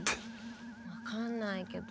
分かんないけど。